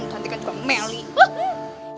cantikan juga melly